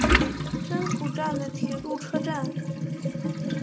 真土站的铁路车站。